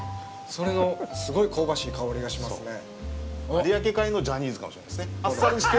それのすごい香ばしい香りがしますね。